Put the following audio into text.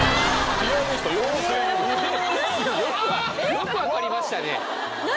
よく分かりましたね何？